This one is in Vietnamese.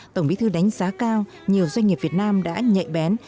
tổng bí thư đánh giá cao nhiều doanh nghiệp việt nam đã nhạy bén